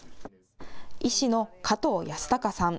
医師の加藤容祟さん。